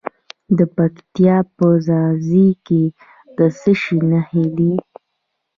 د پکتیا په ځاځي کې د څه شي نښې دي؟